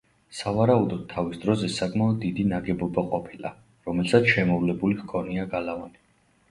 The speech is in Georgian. სავარაუდოდ, თავის დროზე საკმაოდ დიდი ნაგებობა ყოფილა, რომელსაც შემოვლებული ჰქონია გალავანი.